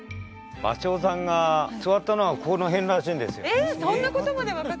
芭蕉さんが座ったのはこの辺らしいんですよえっ！？